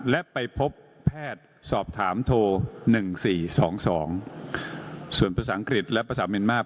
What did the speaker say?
และไปพบแพทย์สอบถามโทร๑๔๒๒ส่วนภาษาอังกฤษและภาษาเมียนมาร์